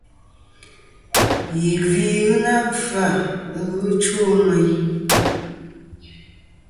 Yì gvi ghɨ na kfa, ɨlvɨ chwo meyn.